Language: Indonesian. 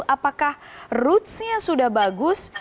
apakah rootsnya sudah bagus